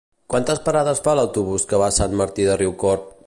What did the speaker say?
Quines parades fa l'autobús que va a Sant Martí de Riucorb?